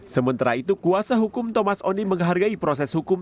sementara itu kuasa hukum thomas oni menghargai proses hukum